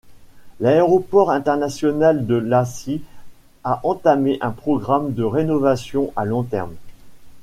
L'aéroport international de Iași a entamé un programme de rénovation à long-terme.